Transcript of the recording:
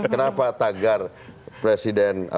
kenapa tagar presiden